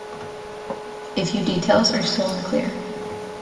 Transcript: A few details are still unclear.